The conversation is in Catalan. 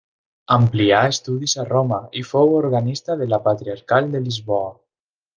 Amplià estudis a Roma i fou organista de la Patriarcal de Lisboa.